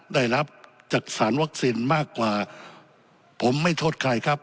ได้รับจากสารวัคซีนมากกว่าผมไม่โทษใครครับ